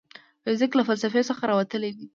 فزیک له فلسفې څخه راوتلی دی.